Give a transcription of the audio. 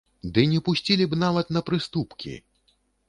Ды не пусцілі б нават на прыступкі!